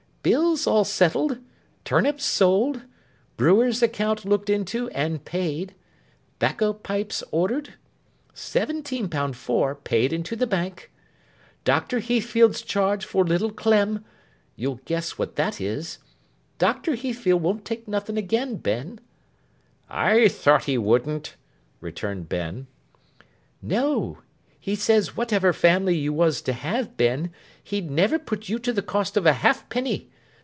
Bills all settled—turnips sold—brewer's account looked into and paid—'bacco pipes ordered—seventeen pound four, paid into the Bank—Doctor Heathfield's charge for little Clem—you'll guess what that is—Doctor Heathfield won't take nothing again, Ben.' 'I thought he wouldn't,' returned Ben. 'No. He says whatever family you was to have, Ben, he'd never put you to the cost of a halfpenny.